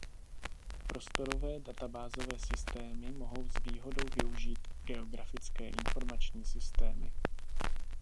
Prostorové databázové systémy mohou s výhodou využít geografické informační systémy.